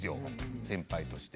先輩として。